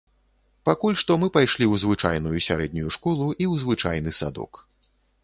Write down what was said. Пакуль што мы пайшлі ў звычайную сярэднюю школу і ў звычайны садок.